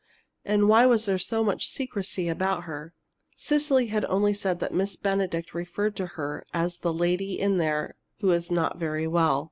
And why was there so much secrecy about her? Cecily had only said that Miss Benedict referred to her as "the lady in there who is not very well."